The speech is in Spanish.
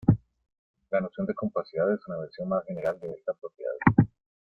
La noción de compacidad es una versión más general de esta propiedad.